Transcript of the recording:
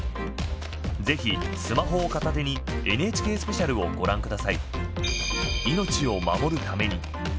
ぜひ、スマホを片手に「ＮＨＫスペシャル」をご覧ください。